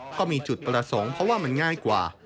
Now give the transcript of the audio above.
ก็มีจุดประสงค์เพราะว่ามันง่ายกว่า